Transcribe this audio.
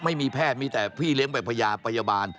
ไม่มีแพทย์มีแต่พี่เลี้ยงแบบพญาพยาบาล